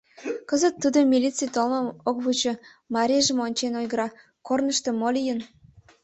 Кызыт тудо милиций толмым ок вучо, марийжым ончен ойгыра: корнышто мо лийын?